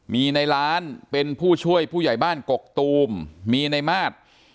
มีในร้านเป็นผู้ช่วยผู้ใหญ่บ้านกกตูมมีในมาตร